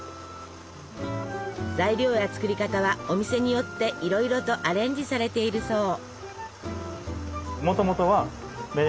材料や作り方はお店によっていろいろとアレンジされているそう。